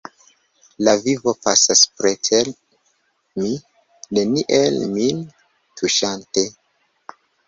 La vivo pasas preter mi, neniel min tuŝante.